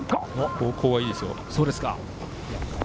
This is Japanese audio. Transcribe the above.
方向はいいですよ。